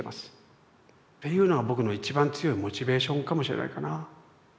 っていうのが僕の一番強いモチベーションかもしれないかなぁ。